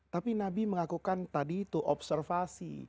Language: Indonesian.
tapi nabi mengakukan tadi itu observasi